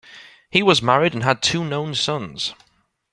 He was married and had two known sons.